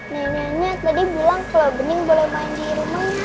neneknya tadi bilang kalo bening boleh mandi rumahnya